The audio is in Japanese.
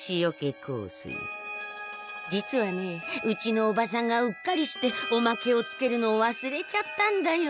実はねうちのおばさんがうっかりしておまけをつけるのを忘れちゃったんだよ。